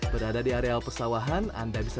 berada di areal persawahan anda bisa